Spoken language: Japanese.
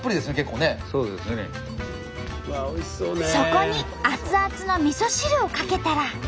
そこに熱々のみそ汁をかけたら。